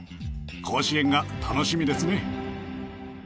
甲子園が楽しみですね。